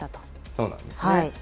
そうなんですね。